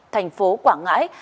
thành phố quảng ngãi